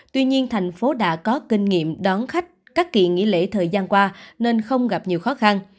tuy nhiên thành phố đã có kinh nghiệm đón khách các kỳ nghỉ lễ thời gian qua nên không gặp nhiều khó khăn